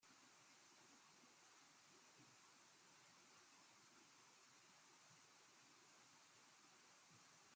譬如中国有炒作普洱茶养生功效导致普洱价格飙升的事件。